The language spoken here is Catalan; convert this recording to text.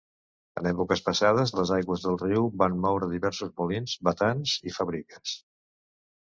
En èpoques passades, les aigües del riu van moure diversos molins, batans i fàbriques.